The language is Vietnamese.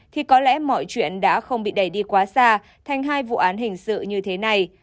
thì có lẽ mọi chuyện đã không bị đẩy đi quá xa thành hai vụ án hình sự như thế này